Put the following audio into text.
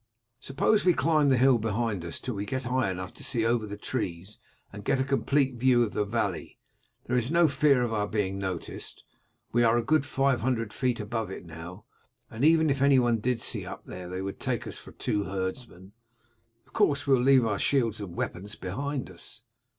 Suppose we climb the hill behind us, till we get high enough to see over the trees and get a complete view of the valley. There is no fear of our being noticed. We are a good five hundred feet above it now, and even if anyone did see us up there they would take us for two herdsmen. Of course we will leave our shields and weapons behind us."